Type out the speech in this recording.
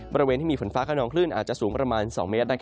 บริเวณที่มีฝนฟ้าขนองคลื่นอาจจะสูงประมาณ๒เมตร